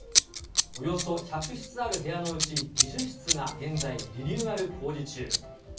およそ１００室ある部屋のうち２０室が現在、リニューアル工事中。